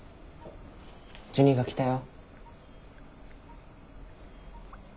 ジュニが来たよ。